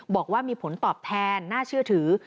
บอกว่ามีผลตอบแทนน่าเชื่อถือ